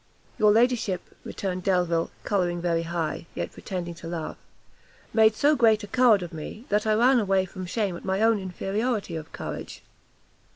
"Your ladyship," returned Delvile, colouring very high, yet pretending to laugh; "made so great a coward of me, that I ran away from shame at my own inferiority of courage."